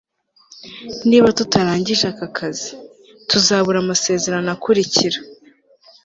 niba tutarangije aka kazi, tuzabura amasezerano akurikira